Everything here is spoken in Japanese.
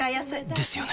ですよね